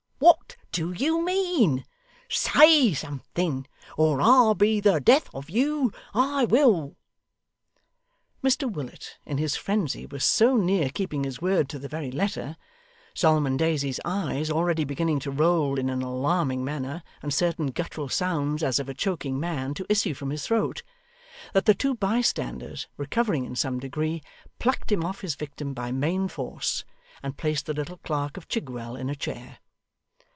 What do you mean? Say something, or I'll be the death of you, I will.' Mr Willet, in his frenzy, was so near keeping his word to the very letter (Solomon Daisy's eyes already beginning to roll in an alarming manner, and certain guttural sounds, as of a choking man, to issue from his throat), that the two bystanders, recovering in some degree, plucked him off his victim by main force, and placed the little clerk of Chigwell in a chair.